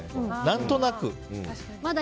何となく。